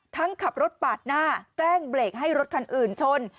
ขับรถปาดหน้าแกล้งเบรกให้รถคันอื่นชน